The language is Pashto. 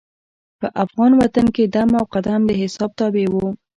په افغان وطن کې دم او قدم د حساب تابع وو.